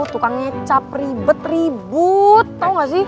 tukang ngecap ribet ribut tau gak sih